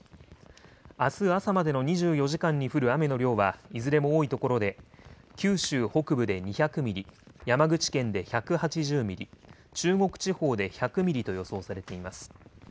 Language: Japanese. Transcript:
あす朝までの２４時間に降る雨の量は、いずれも多い所で、九州北部で２００ミリ、山口県で１８０ミリ、中国地方で１００ミリと予想されています。